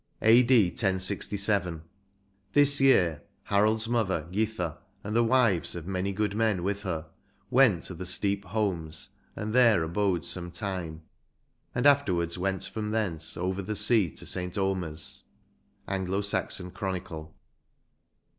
" A.D. 1067. This year Harolds mother, Githa, and the wives of many good men with her, went to the Steep Hohnes, and there abode some time ; and afterwards went from thence over sea to St. Omer' s," — Anglo Saxon Chronicle.